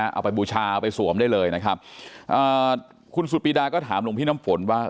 เอาไปบูชาเอาไปสวมได้เลยนะครับาปีด้าก็ถามหลุมพี่นัมฝนว่า